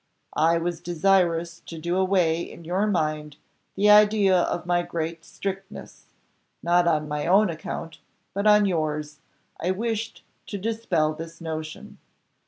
I was desirous to do away in your mind the idea of my great strictness not on my own account, but on yours, I wished to dispel this notion.